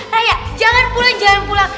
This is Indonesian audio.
raya jangan pulang jalan pulang